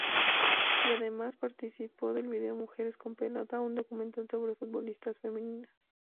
Y además participó del video "Mujeres con pelota" un documental sobre futbolistas femeninas.